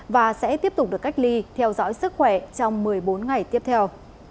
và sẽ tiếp tục được cách ly theo dõi sức khỏe trong một mươi bốn ngày tiếp theo